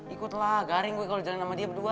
ikut lah garing gue kalau jalan sama dia berdua